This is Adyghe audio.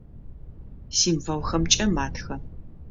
Символхэмкӏэ матхэ.